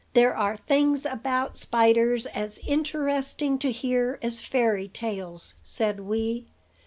"There are things about spiders as interesting to hear as fairy tales," said Wee.